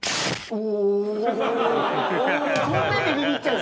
お。